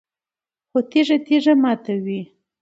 خو تیږه تیږه ماتوي